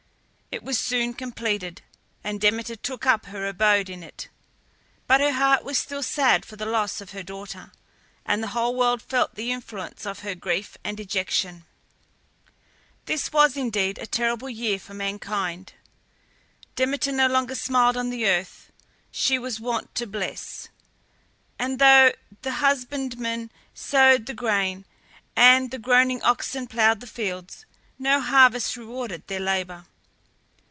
It was soon completed, and Demeter took up her abode in it, but her heart was still sad for the loss of her daughter, and the whole world felt the influence of her grief and dejection. This was indeed a terrible year for mankind. Demeter no longer smiled on the earth she was wont to bless, and though the husbandman sowed the grain, and the groaning oxen ploughed the fields, no harvest rewarded their labour.